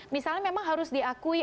misalnya memang harus diakui